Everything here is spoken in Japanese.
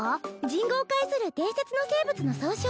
人語を解する伝説の生物の総称